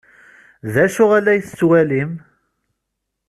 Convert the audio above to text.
D acu ay la tettwalim?